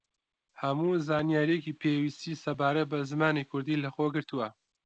هەموو زانیارییەکی پێویستی سەبارەت بە زمانی کوردی لە خۆگرتووە